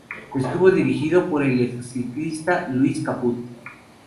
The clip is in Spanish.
Estuvo dirigido por el exciclista Louis Caput.